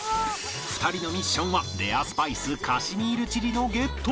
２人のミッションはレアスパイスカシミールチリのゲット